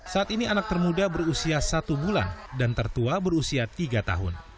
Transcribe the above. saat ini anak termuda berusia satu bulan dan tertua berusia tiga tahun